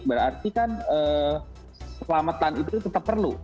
berarti kan selamatan itu tetap perlu